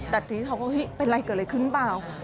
แต่ทีนี้เขาก็เฮ้ยเป็นไรเกิดอะไรขึ้นเปล่า